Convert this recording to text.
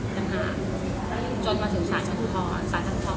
สัญญาณหลังจนมาถึงสารชนธรรมตัดศีรภาพส